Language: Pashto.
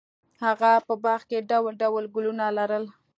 هغه په باغ کې ډول ډول ګلونه لرل.